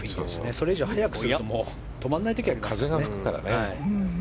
それ以上速くすると止まらない時がありますから。